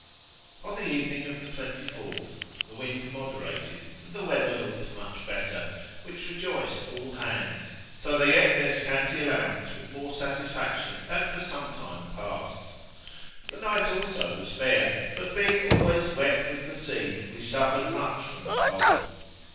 On the evening of the 24th, the wind moderated and the weather looked much better, which rejoiced all hands, so that they ate their scanty allowance with more satisfaction than for some time past. The night also was fair; but being always wet with the sea, we suffered much from the cold.